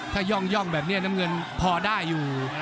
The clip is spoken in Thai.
ถ้าย่องแบบนี้น้ำเงินพอได้อยู่